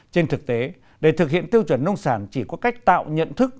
trên thực tế để thực hiện tiêu chuẩn nông sản chỉ có cách tạo nhận thức